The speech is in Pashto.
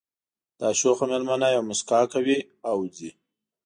دا شوخه مېلمنه یوه مسکا کوي او ځي